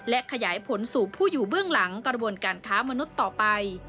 และขยายผลสู่ผู้อยู่เบื้องหลังกระบวนการค้ามนุษย์ต่อไป